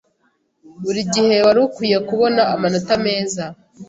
Buri gihe wari ukwiye kubona amanota meza.